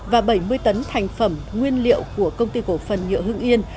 và bảy mươi tấn thành phẩm nguyên liệu của công ty cổ phần nhựa hưng yên